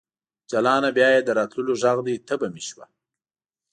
جلانه ! بیا یې د راتللو غږ دی تبه مې شوه